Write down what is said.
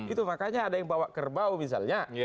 itu makanya ada yang bawa kerbau misalnya